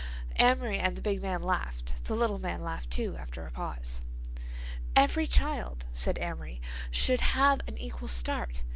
Amory and the big man laughed; the little man laughed, too, after a pause. "Every child," said Amory, "should have an equal start.